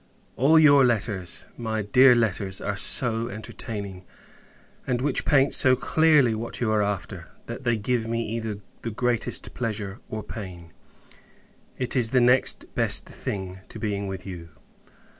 All your letters, my dear letters, are so entertaining! and which paint so clearly what you are after, that they give me either the greatest pleasure or pain. It is the next best thing, to being with you.